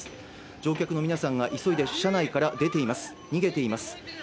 乗客の皆さんが急いで車内から逃げています。